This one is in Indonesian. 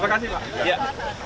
terima kasih pak